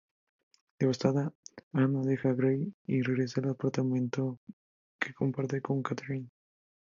Devastada, Ana deja a Grey y regresa al apartamento que comparte con Katherine.